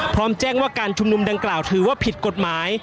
พร้อมแจ้งว่าการชุมนุมดังกล่าวถือว่าผิดกฎหมาย